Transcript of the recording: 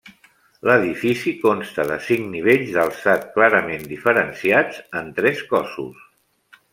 L'edifici consta de cinc nivells d'alçat clarament diferenciats en tres cossos.